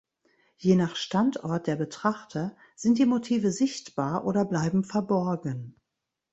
Je nach Standort der Betrachter sind die Motive sichtbar oder bleiben verborgen.